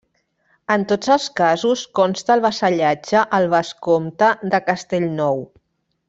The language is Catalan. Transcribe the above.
En tots els casos consta el vassallatge al vescomte de Castellnou.